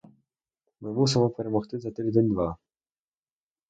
Ми мусимо перемогти за тиждень-два.